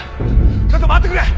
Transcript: ちょっと待ってくれ！